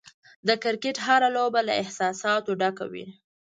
د کرکټ هره لوبه له احساساتو ډکه وي.